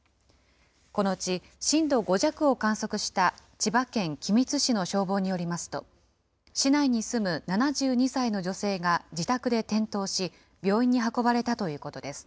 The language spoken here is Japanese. このうち震度５弱を観測した、千葉県君津市の消防によりますと、市内に住む７２歳の女性が自宅で転倒し、病院に運ばれたということです。